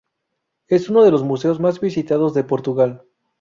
Es uno de los museos más visitados de Portugal.